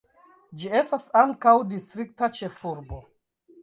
Ĝi estas ankaŭ distrikta ĉefurbo.